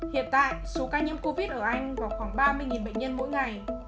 hiện tại số ca nhiễm covid ở anh vào khoảng ba mươi bệnh nhân mỗi ngày